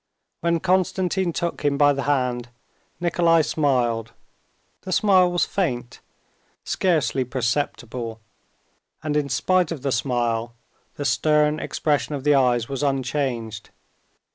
When Konstantin took him by the hand, Nikolay smiled. The smile was faint, scarcely perceptible, and in spite of the smile the stern expression of the eyes was unchanged.